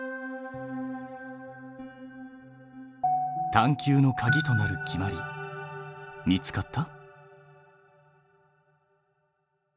探究のかぎとなる決まり見つかった？